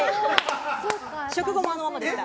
食後もあのままでした。